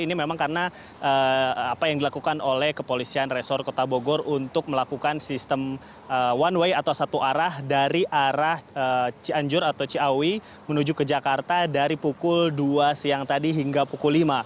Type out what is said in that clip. ini memang karena apa yang dilakukan oleh kepolisian resor kota bogor untuk melakukan sistem one way atau satu arah dari arah cianjur atau ciawi menuju ke jakarta dari pukul dua siang tadi hingga pukul lima